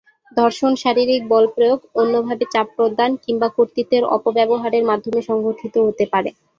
ধর্ষণ শারীরিক বলপ্রয়োগ, অন্যভাবে চাপ প্রদান কিংবা কর্তৃত্বের অপব্যবহারের মাধ্যমে সংঘটিত হতে পারে।